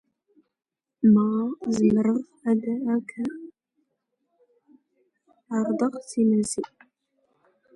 ⵎⴰ ⵣⵎⵔⵖ ⴰⴷ ⴰⴽ ⵄⴰⵕⴷⵖ ⵙ ⵉⵎⵏⵙⵉ.